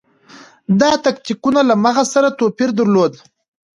دا تکتیکونه له مغز سره توپیر درلود.